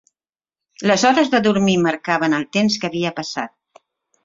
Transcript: Les hores de dormir marcaven el temps que havia passat